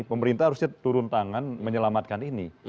pemerintah harusnya turun tangan menyelamatkan ini